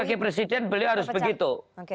sebagai presiden beliau harus begitu